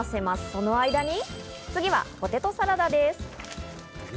その間にポテトサラダです。